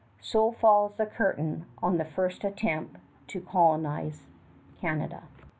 So falls the curtain on the first attempt to colonize Canada.